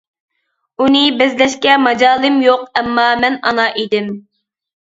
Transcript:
ئۇنى بەزلەشكە ماجالىم يوق ئەمما مەن ئانا ئىدىم.